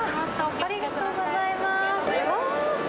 ありがとうございます。